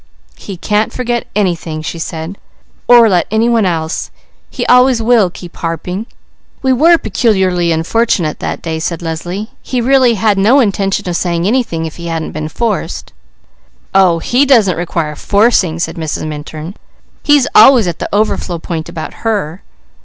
"He can't forget anything," she said, "or let any one else. He always will keep harping." "We were peculiarly unfortunate that day," said Leslie. "He really had no intention of saying anything, if he hadn't been forced." "Oh he doesn't require forcing," said Mrs. Minturn. "He's always at the overflow point about her."